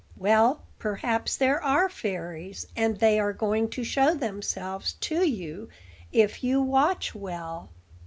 Well, perhaps there are fairies, and they are going to show themselves to you, if you watch well."